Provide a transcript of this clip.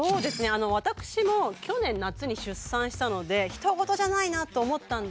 私も去年夏に出産したのでひと事じゃないなと思ったんですが。